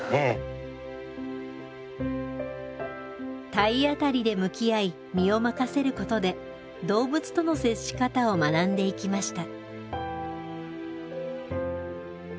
体当たりで向き合い身を任せることで動物との接し方を学んでいきました。